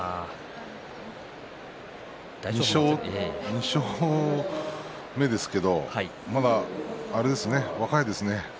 ２勝目ですけどまだあれですね、若いですね。